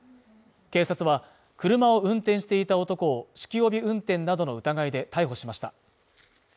警察は車を運転していた男を酒気帯び運転などの疑いで逮捕しました。